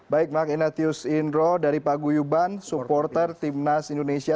baik mak enatius indro dari paguyuban supporter timnas indonesia